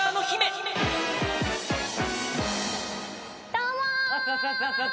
・どうも。